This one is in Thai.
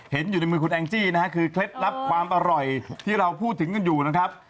อยู่ในมือคุณแองจี้นะฮะคือเคล็ดลับความอร่อยที่เราพูดถึงกันอยู่นะครับ